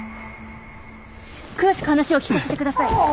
詳しく話を聞かせてください。